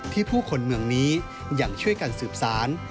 ผู้คนเมืองนี้ยังช่วยกันสืบสาร